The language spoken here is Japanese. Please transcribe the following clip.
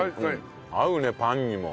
合うねパンにも。